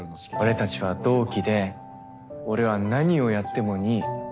俺たちは同期で俺は何をやっても２位。